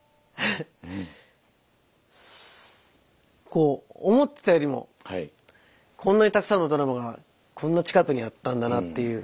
こう思ってたよりもこんなにたくさんのドラマがこんな近くにあったんだなっていう。